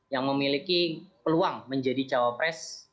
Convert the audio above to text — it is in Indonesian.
yang memiliki peluang menjadi cawapres